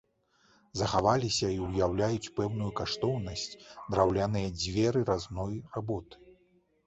Захаваліся і ўяўляюць пэўную каштоўнасць драўляныя дзверы разной работы.